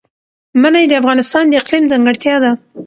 منی د افغانستان د اقلیم ځانګړتیا ده.